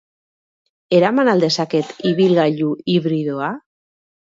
Eraman al dezaket ibilgailu hibridoa?